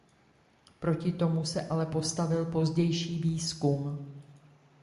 Proti tomu se ale postavil pozdější výzkum.